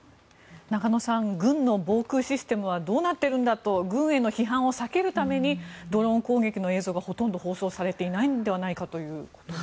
中野さん軍の防空システムはどうなってるんだと軍への批判を避けるためにドローン攻撃の映像がほとんど放送されていないのではないかということです。